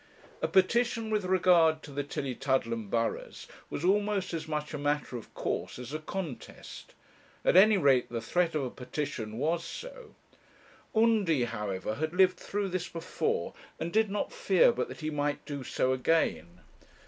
A petition with regard to the Tillietudlem burghs was almost as much a matter of course as a contest; at any rate the threat of a petition was so. Undy, however, had lived through this before, and did not fear but that he might do so again.